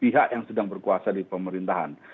pihak yang sedang berkuasa di pemerintahan